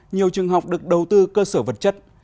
nhiều trường học được đầu tư cơ sở vật chất